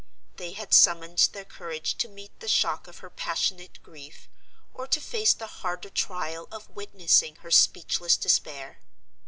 They had summoned their courage to meet the shock of her passionate grief, or to face the harder trial of witnessing her speechless despair.